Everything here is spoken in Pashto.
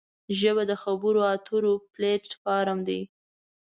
ژبه د خبرو اترو پلیټ فارم دی